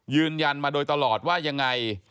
ยืนยันมาโดยตลอดว่ายังไง